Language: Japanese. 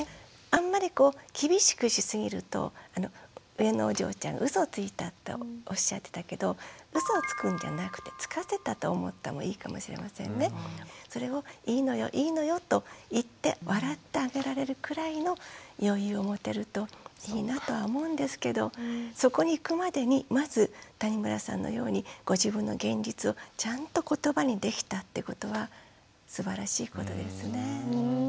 あんまりこう厳しくしすぎると上のお嬢ちゃんうそをついたっておっしゃってたけどそれを「いいのよいいのよ」と言って笑ってあげられるくらいの余裕を持てるといいなとは思うんですけどそこにいくまでにまず谷村さんのようにご自分の現実をちゃんと言葉にできたってことはすばらしいことですね。